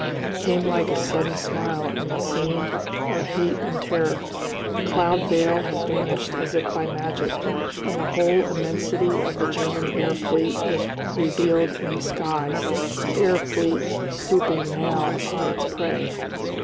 It came like a sudden smile in a scene of hate and terror. The cloud veil had vanished as if by magic, and the whole immensity of the German air fleet was revealed in the sky; the air fleet stooping now upon its prey.